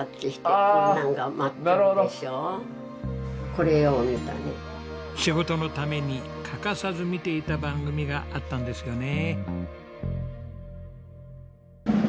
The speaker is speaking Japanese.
こやってして仕事のために欠かさず見ていた番組があったんですよね？